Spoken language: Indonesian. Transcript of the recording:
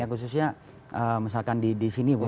khususnya misalkan di sini bu